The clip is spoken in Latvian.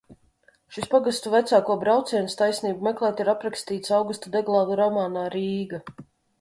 "Šis pagastu vecāko brauciens taisnību meklēt ir aprakstīts Augusta Deglava romānā "Rīga"."